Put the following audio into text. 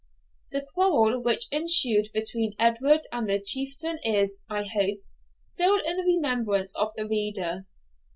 The quarrel which ensued between Edward and the Chieftain is, I hope, still in the remembrance of the reader.